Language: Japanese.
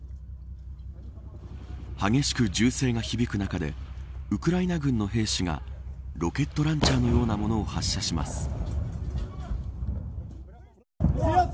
激しく銃声が響く中でウクライナ軍の兵士がロケットランチャーのようなものを発射します。